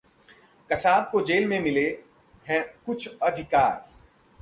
कसाब को जेल में मिले हैं कुछ अधिकार